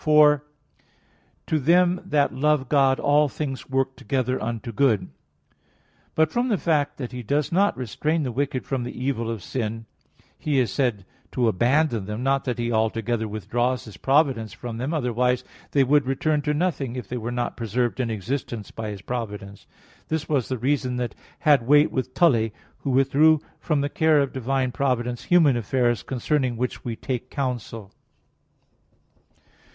For "to them that love God, all things work together unto good" (Rom. 8:28). But from the fact that He does not restrain the wicked from the evil of sin, He is said to abandon them: not that He altogether withdraws His providence from them; otherwise they would return to nothing, if they were not preserved in existence by His providence. This was the reason that had weight with Tully, who withdrew from the care of divine providence human affairs concerning which we take counsel.